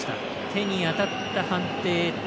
手に当たった判定。